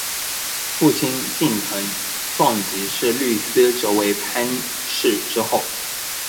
父亲近藤壮吉是律师则为藩士之后。